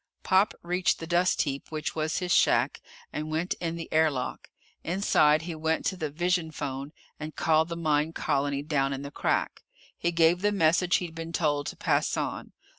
Pop reached the dust heap which was his shack and went in the air lock. Inside, he went to the vision phone and called the mine colony down in the Crack. He gave the message he'd been told to pass on.